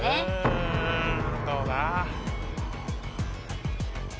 うんどうだ？